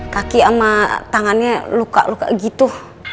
kaki sama tangannya luka luka gitu